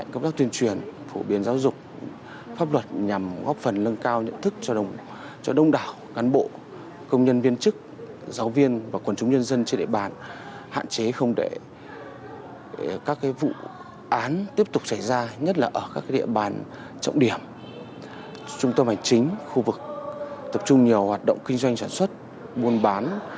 chúng tôi phải chính khu vực tập trung nhiều hoạt động kinh doanh sản xuất buôn bán